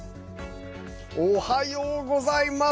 おはようございます！